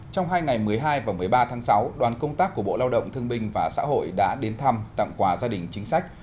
trong hai ngày một mươi hai và một mươi ba tháng sáu đoàn công tác của bộ lao động thương binh và xã hội đã đến thăm tặng quà gia đình chính sách